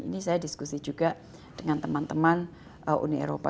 ini saya diskusi juga dengan teman teman uni eropa